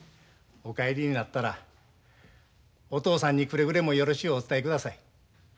お帰りになったらお父さんにくれぐれもよろしゅうお伝えください。